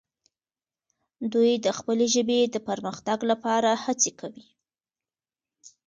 دوی د خپلې ژبې د پرمختګ لپاره هڅې کوي.